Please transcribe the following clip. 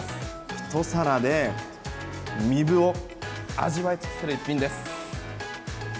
ひと皿で壬生を味わい尽くせる一品です。